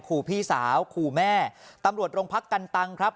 ขู่พี่สาวขู่แม่ตำรวจโรงพักกันตังครับ